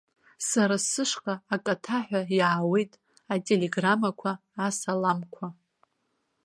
Сара сышҟа акатаҳәа иаауеит ателеграммақәа, асаламқәа.